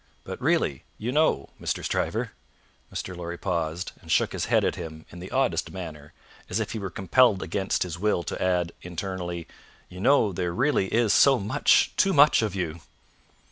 But really, you know, Mr. Stryver " Mr. Lorry paused, and shook his head at him in the oddest manner, as if he were compelled against his will to add, internally, "you know there really is so much too much of you!"